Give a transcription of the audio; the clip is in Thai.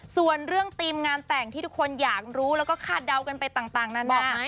ส่วนเรื่องทีมงานแต่งที่ทุกคนอยากรู้แล้วก็คาดเดากันไปต่างนานา